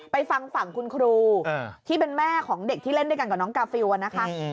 ฟังฝั่งคุณครูที่เป็นแม่ของเด็กที่เล่นด้วยกันกับน้องกาฟิลนะคะ